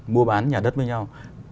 mua bán nhà đất với nhau